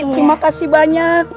terima kasih banyak